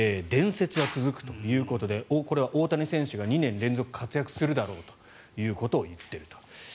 伝説は続くということでこれは大谷選手が２年連続活躍するだろうということを言っていると。